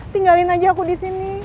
tinggalin aja aku di sini